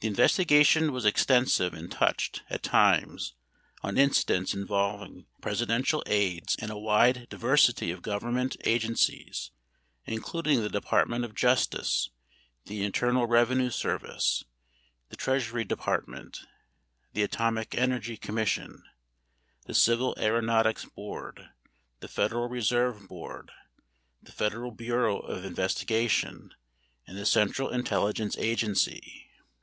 The investigation was extensive and touched, at times, on incidents involving Presidential aides and a wide diversity of Government agencies, including the Department of Justice, the Internal Revenue Service, the Treasury Department, the Atomic Energy Commission, the Civil Aeronautics Board, the Federal Reserve Board, the Federal Bureau of Investigation, and the Central Intelligence Agency.